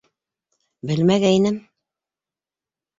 Белмәгәйнем.